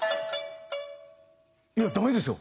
「いやダメですよ。